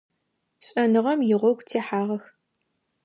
Шӏэныгъэм игъогу техьагъэх.